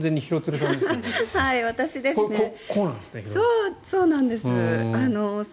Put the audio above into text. そうなんです。